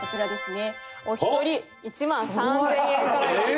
お一人１万３０００円からになります。